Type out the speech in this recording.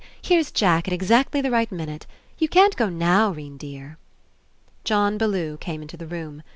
Here's Jack at exactly the right minute. You can't go now, 'Rene dear." John Bellew came Into the room.